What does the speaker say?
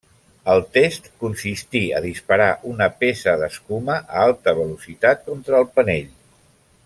El test consistí a disparar una peça d'escuma a alta velocitat contra el panell.